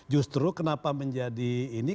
justru kenapa menjadi ini